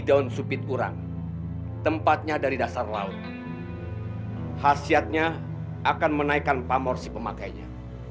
daun supit urang tempatnya dari dasar laut khasiatnya akan menaikkan pamor si pemakainya